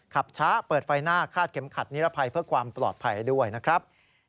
ขับช้าเปิดไฟหน้าคาดเข็มขัดนิรภัยเพื่อความปลอดภัยด้วยนะครับ